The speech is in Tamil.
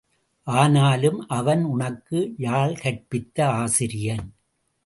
ஆனாலும் அவன் உனக்கு யாழ் கற்பித்த ஆசிரியன்.